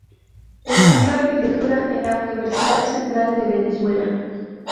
Estudió Arquitectura en la Universidad Central de Venezuela.